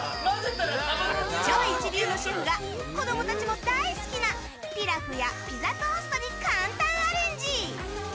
超一流のシェフが子供たちも大好きなピラフやピザトーストに簡単アレンジ。